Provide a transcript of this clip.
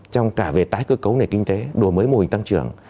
trong cả về tái cơ cấu nền kinh tế đổi mới mô hình tăng trưởng